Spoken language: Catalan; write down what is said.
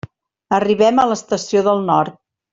Arribem a l'Estació del Nord.